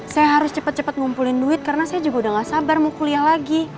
saya harus cepat cepat ngumpulin duit karena saya juga udah gak sabar mau kuliah lagi